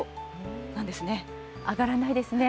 上がらないですね。